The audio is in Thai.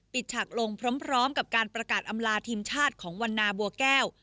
ฉากลงพร้อมกับการประกาศอำลาทีมชาติของวันนาบัวแก้ว